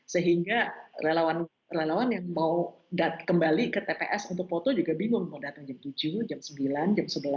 sehingga relawan yang mau kembali ke tps untuk foto juga bingung mau datang jam tujuh jam sembilan jam sebelas